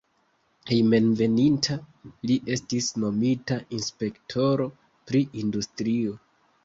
Hejmenveninta li estis nomita inspektoro pri industrio.